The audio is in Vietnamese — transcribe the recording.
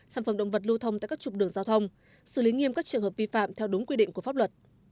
sản phẩm động vật lưu thông tại các trục đường giao thông xử lý nghiêm các trường hợp vi phạm theo đúng quy định của pháp luật